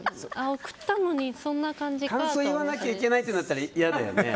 送ったのに感想言わなきゃいけないってなったら嫌だよね。